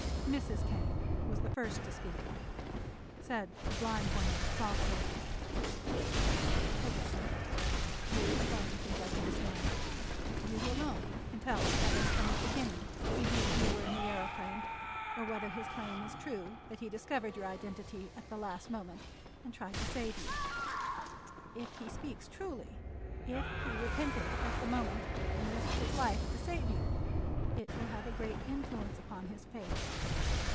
Mrs. Kane was the first to speak. Said the blind woman, softly: "Orissa, you alone can judge this man. You alone can tell whether from the beginning he knew you were in the aëroplane or whether his claim is true that he discovered your identity at the last moment—and tried to save you. If he speaks truly, if he repented at the moment and risked his life to save you, it will have a great influence upon his fate.